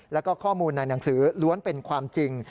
แล้วก็ข้อมูลในหนังสือล้วนเป็นความจริง